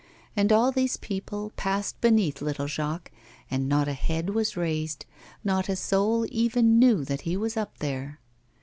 And all these people passed beneath little Jacques, and not a head was raised, not a soul even knew that he was up there.